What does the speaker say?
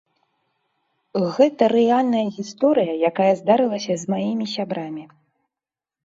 Гэта рэальная гісторыя, якая здарылася з маімі сябрамі.